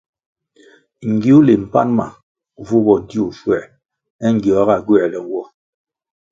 Ngiwuli mpan wa vu bo ntiwuh schuer é ngierga gywerle nwo.